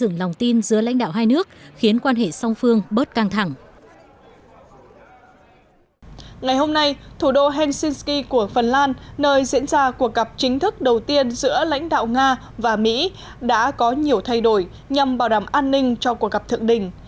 nơi diễn ra cuộc gặp chính thức đầu tiên giữa lãnh đạo nga và mỹ đã có nhiều thay đổi nhằm bảo đảm an ninh cho cuộc gặp thượng đỉnh